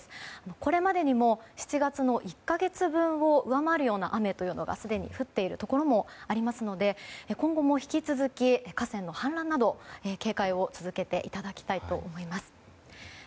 これまでにも７月の１か月分を上回るような雨が、すでに降っているところもありますので今後も引き続き河川の氾濫など警戒を続けていただきたいと思います。